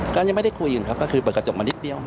ก็ยังไม่ได้คุยอยู่ครับก็คือเปิดกระจกมานิดเดียว